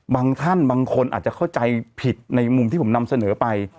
ท่านบางคนอาจจะเข้าใจผิดในมุมที่ผมนำเสนอไป